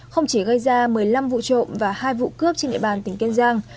không chỉ gây ra một mươi năm vụ trộm và hai vụ cướp trên địa bàn tỉnh kiên giang